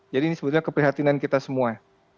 jadi ini sebetulnya keprihatinan kita semua